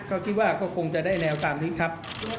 ก็คิดว่าก็คงจะได้แนวตามนี้ครับ